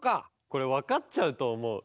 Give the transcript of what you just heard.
これわかっちゃうとおもう。